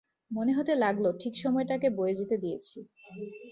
মনে হতে লাগল ঠিক সময়টাকে বয়ে যেতে দিয়েছি।